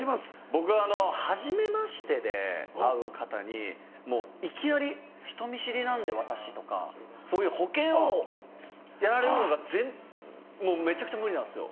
僕はじめましてで会う方にいきなり「人見知りなんで私」とかそういう保険をやられるのがめちゃくちゃ無理なんですよ。